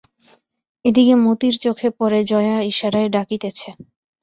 এদিকে মতির চোখে পড়ে জয়া ইশারায় ডাকিতেছে।